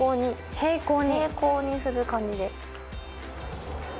平行にする感じで。